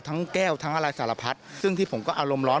แก้วทั้งอะไรสารพัดซึ่งที่ผมก็อารมณ์ร้อน